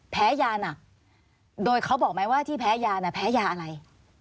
แพ้ยาหนักโดยเขาบอกไหมว่าที่แพ้ยาน่ะแพ้ยาอะไร